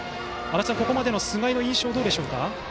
ここまでの菅井の印象はどうでしょうか？